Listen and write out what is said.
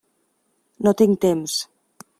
No tinc temps.